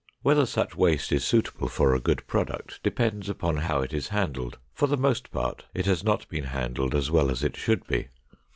Whether such waste is suitable for a good product depends upon how it is handled. For the most part, it has not been handled as well as it should be.